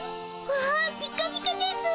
わあピカピカですぅ。